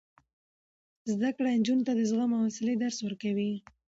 زده کړه نجونو ته د زغم او حوصلې درس ورکوي.